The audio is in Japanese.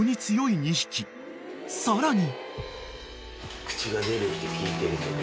［さらに］